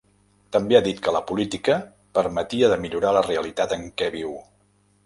També ha dit que la política permetia de millorar la realitat en què viu.